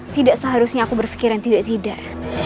tidak seharusnya aku berpikiran tidak tidak